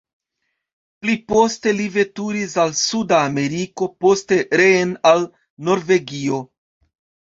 Pli poste li veturis al suda Ameriko, poste reen al Norvegio.